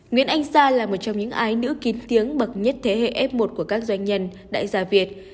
nguyễn anh sa là một trong những ai nữ kín tiếng bậc nhất thế hệ f một của các doanh nhân đại gia việt